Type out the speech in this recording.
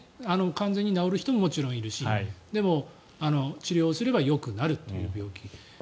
完全に治る人ももちろんいるしでも、治療すればよくなるという病気。